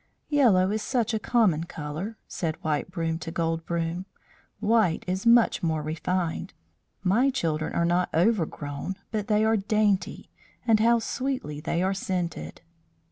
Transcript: "Yellow is such a common colour," said White Broom to Gold Broom. "White is much more refined. My children are not overgrown, but they are dainty. And how sweetly they are scented!"